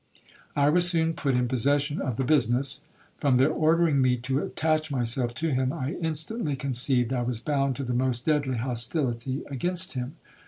I was soon put in possession of the business; from their ordering me to attach myself to him, I instantly conceived I was bound to the most deadly hostility against him.